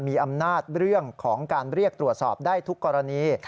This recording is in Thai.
มีอำนาจเรื่องของการเรียกตรวจสอบได้ทุกกรณี